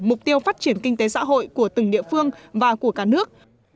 mục tiêu phát triển kinh tế xã hội của từng địa phương và của cả nước